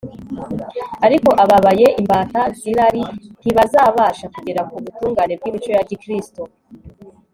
ariko ababaye imbata z'irari ntibazabasha kugera ku butungane bw'imico ya gikristo